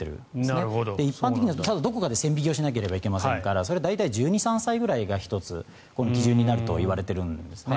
ただ、一般的にはどこかで線引きをしなければいけませんからそれは大体１２１３歳くらいが１つ、基準になるといわれているんですね。